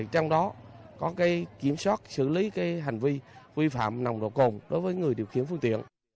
trong đó có kiểm soát xử lý hành vi vi phạm nồng độ cồn đối với người điều khiển phương tiện